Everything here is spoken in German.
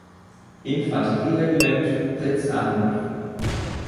Infanterie-Regiment „Prinz Arnulf“.